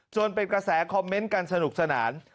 เป็นกระแสคอมเมนต์กันสนุกสนาน